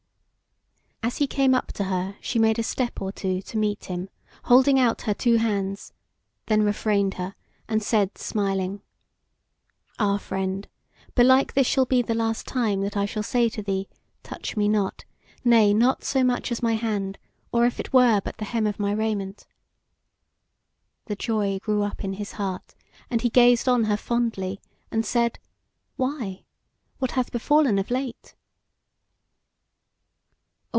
As he came up to her she made a step or two to meet him, holding out her two hands, and then refrained her, and said smiling: "Ah, friend, belike this shall be the last time that I shall say to thee, touch me not, nay, not so much as my hand, or if it were but the hem of my raiment." The joy grew up in his heart, and he gazed on her fondly, and said: "Why, what hath befallen of late?"